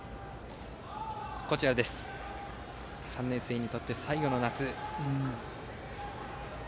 ３年生にとって最後の夏。